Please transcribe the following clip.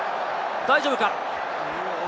大丈夫か？